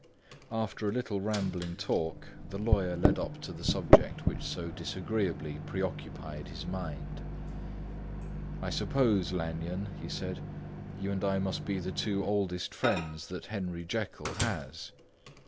After a little rambling talk, the lawyer led up to the subject which so disagreeably preoccupied his mind. "I suppose, Lanyon," said he, "you and I must be the two oldest friends that Henry Jekyll has?"